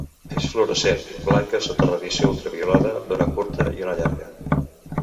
És fluorescent, blanca sota radiació ultraviolada d'ona curta i ona llarga.